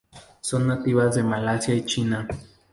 Son nativas de Malasia y China.